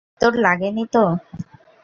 তোর লাগেনি তো?